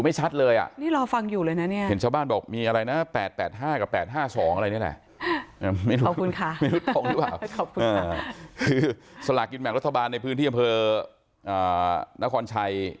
ไม่นุษย์พงษ์หรือเปล่าคือศาลากิจแมงรัฐบาลในพื้นที่อำเภอนครชัย